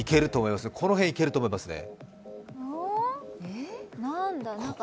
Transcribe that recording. この辺、いけると思いますね